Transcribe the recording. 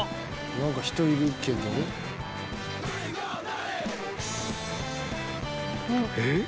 「なんか人いるけど」えっ？